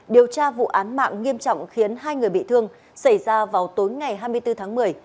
điều tra vụ án mạng nghiêm trọng khiến hai người bị thương xảy ra vào tối ngày hai mươi bốn tháng một mươi